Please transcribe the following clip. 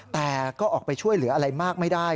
แต่ก็ออกไปช่วยเหลืออะไรมากไม่ได้